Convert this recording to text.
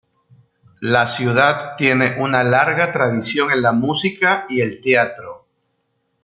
La ciudad tiene una larga tradición en la música y el teatro.